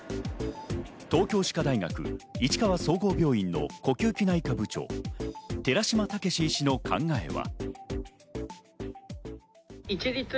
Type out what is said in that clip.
東京歯科大学市川総合病院の呼吸器内科部長・寺嶋毅医師の考えは。